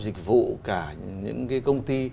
dịch vụ cả những cái công ty